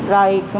rồi một số